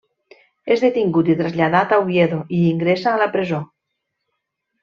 És detingut i traslladat a Oviedo i ingressa a la presó.